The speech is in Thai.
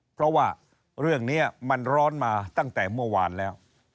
เพราะว่าเรื่องนี้มันร้อนมาตั้งแต่เมื่อวานแล้ว